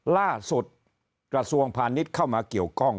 ล่าสุดกระทรวงพาณิชย์เข้ามาเกี่ยวข้อง